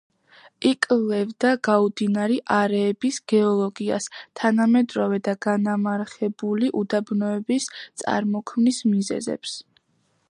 იკვლევდა გაუდინარი არეების გეოლოგიას, თანამედროვე და განამარხებული უდაბნოების წარმოქმნის მიზეზებს.